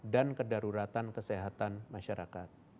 dan kedaruratan kesehatan masyarakat